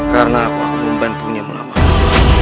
karena aku akan membantunya melawanmu